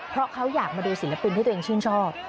เพราะเขาอยากมาดูศิลปินที่ตัวเองชื่นชอบ